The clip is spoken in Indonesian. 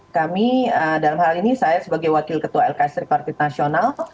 kami dalam hal ini saya sebagai wakil ketua lks tripartit nasional